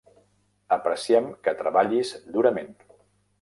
Apreciem que treballis durament.